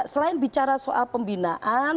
selain bicara soal pembinaan